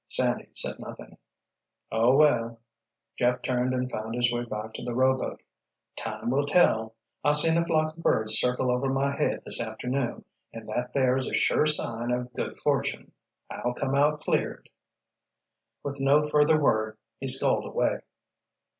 Sandy said nothing. "Oh, well," Jeff turned and found his way back to the rowboat. "Time will tell. I seen a flock of birds circle over my head this afternoon and that there is a sure sign of good fortune. I'll come out cleared!" With no further word he sculled away.